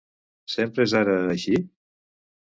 Sempre és ara, així?